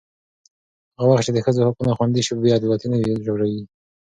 هغه وخت چې د ښځو حقونه خوندي شي، بې عدالتي نه ژورېږي.